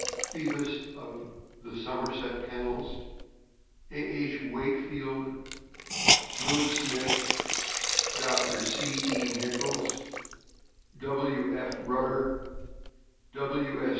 Phoebus, of the Somerset Kennels, A. H. Wakefield, Louis Smith, Dr. C. E. Nichols, W. F. Rutter, W. S.